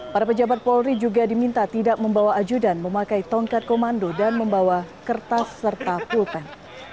para pejabat polri juga diminta tidak membawa ajudan memakai tongkat komando dan membawa kertas serta pulpen